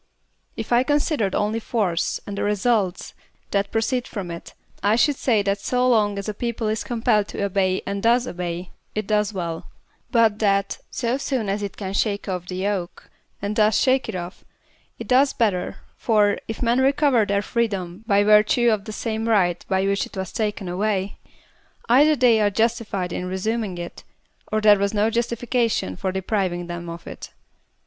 If I considered only force and the results that proceed from it, I should say that so long as a people is compelled to obey and does obey, it does well; but that, so soon as it can shake ofiE the yoke and does shake it ofiE, it does better; for, if men recover their freedom by virtue of the same right by which it was taken away, either they are justified in resuming it, or there was no justification for depriving them of it.